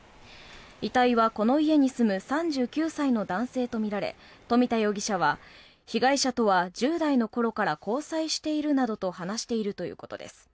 遺体は、この家に住む３９歳の男性とみられ富田容疑者は被害者とは１０代の頃から交際しているなどと話しているということです。